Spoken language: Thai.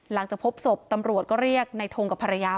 หลังจากพบศพตำรวจก็เรียกในทงกับภรรยา